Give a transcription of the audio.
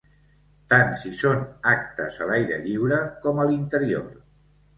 Tant si són actes a l’aire lliure com a l’interior.